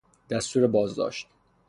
دستور بازداشت